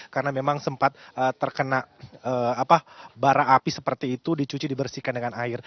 karena memang sempat terkena bara api seperti itu dicuci dibersihkan dengan air